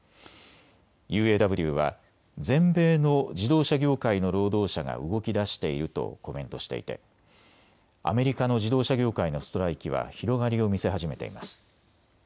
ＵＡＷは全米の自動車業界の労働者が動きだしているとコメントしていてアメリカの自動車業界のストライキは広がりを見せ始めています。